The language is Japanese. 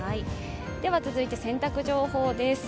続いて洗濯情報です。